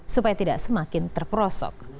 supaya tidak semakin terperosok